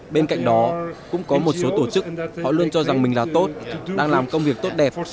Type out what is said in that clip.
bên cạnh đó cũng có một số tổ chức họ luôn cho rằng mình là tốt đang làm công việc tốt đẹp